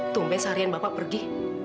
tumpen seharian bapak pergi